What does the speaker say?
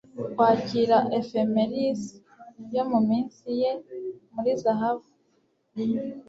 kwakira ephemeris yo muminsi ye muri zahabu